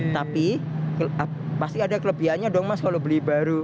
tapi pasti ada kelebihannya dong mas kalau beli baru